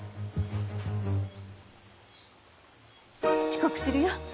遅刻するよ。